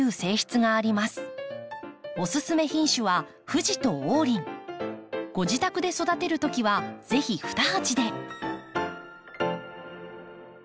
おすすめ品種はご自宅で育てるときはぜひ２鉢で。